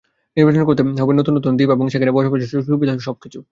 নির্বাচন করতে হবে নতুন নতুন দ্বীপ এবং সেখানে বসবাসের সুযোগ-সুবিধাসহ সবকিছু।